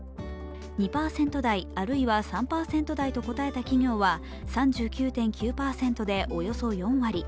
２％台あるいは３％台と答えた企業は３９．９％でおよそ４割。